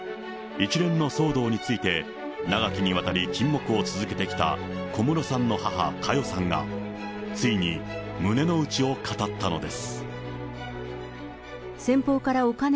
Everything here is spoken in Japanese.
一連の騒動について長きにわたり沈黙を続けてきた小室さんの母、佳代さんが、ついに胸の内を語ったのです。